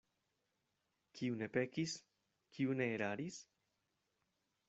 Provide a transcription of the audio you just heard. Kiu ne pekis, kiu ne eraris?